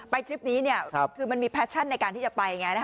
ทริปนี้คือมันมีแฟชั่นในการที่จะไปไง